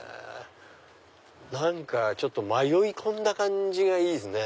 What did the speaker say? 何か迷い込んだ感じがいいですね。